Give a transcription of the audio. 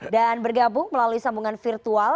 dan bergabung melalui sambungan virtual